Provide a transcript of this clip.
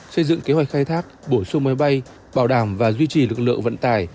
xây dựng kế hoạch khai thác bổ sung máy bay bảo đảm và duy trì lực lượng vận tải